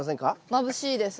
まぶしいです。